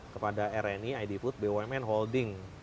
kepada rni id food bumn holding